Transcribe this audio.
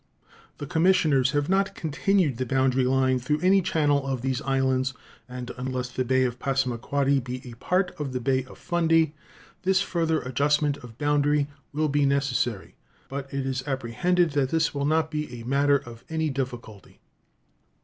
The commissioners have not continued the boundary line through any channel of these islands, and unless the bay of Passamaquoddy be a part of the Bay of Fundy this further adjustment of boundary will be necessary, but it is apprehended that this will not be a matter of any difficulty.